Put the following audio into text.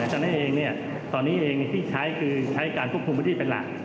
ฉะนั้นเองตอนนี้เองที่ใช้คือใช้การควบคุมพื้นที่เป็นหลัก